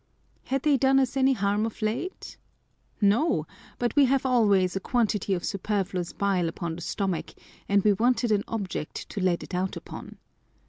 Had they done us any harm of late ? No : but we have always a quantity of superfluous bile upon the stomach, and we wanted an object to let it out upon.